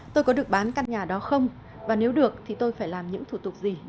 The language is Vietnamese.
tôi có được bán căn nhà đó không và nếu được thì tôi phải làm những thủ tục gì